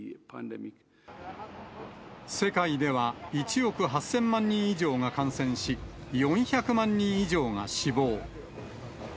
世界では１億８０００万人以上が感染し、４００万人以上が死亡。